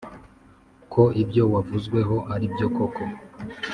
ko ibyo wavuzweho aribyo koko"